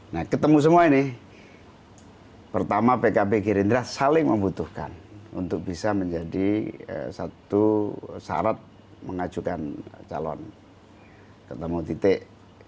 nah ketemu semua ini pertama pkb gerindra saling membutuhkan untuk bisa menjadi satu syarat mengajukan calon ketemu titik